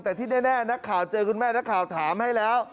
แต่ที่แน่นักข่าวเจอคุณแม่นักข่าวถามให้แล้ว